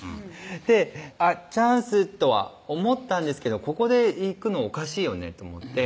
チャンスとは思ったんですけどここでいくのおかしいよねと思って